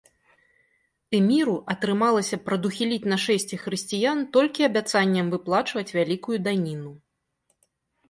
Эміру атрымалася прадухіліць нашэсце хрысціян толькі абяцаннем выплачваць вялікую даніну.